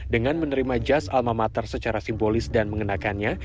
dengan menerima jas alma mater secara simbolis dan mengenakannya